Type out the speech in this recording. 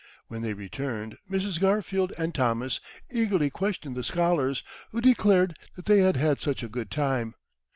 When they returned, Mrs. Garfield and Thomas eagerly questioned the scholars, who declared that they had had "such a good time."